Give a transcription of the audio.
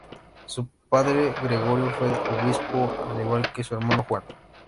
Su padre, Gregorio, fue obispo, al igual que su hermano Juan.